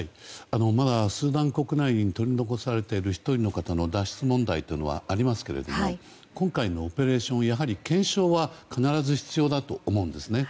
まだスーダン国内に取り残されている１人の方の脱出問題というのはありますが今回のオペレーションはやはり、検証は必ず必要だと思うんですね。